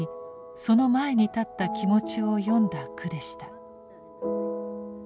その前に立った気持ちを詠んだ句でした。